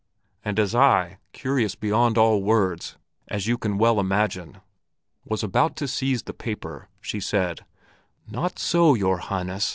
And as I, curious beyond all words, as you can well imagine, was about to seize the paper, she said, 'Not so, Your Highness!'